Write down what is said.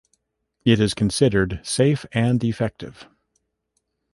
It is considered safe and effective.